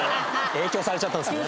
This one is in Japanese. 影響されちゃったんですね。